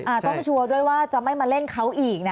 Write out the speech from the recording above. ต้องชัวร์ด้วยว่าจะไม่มาเล่นเขาอีกนะ